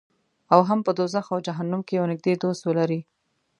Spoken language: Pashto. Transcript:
او هم په دوزخ او جهنم کې یو نږدې دوست ولري.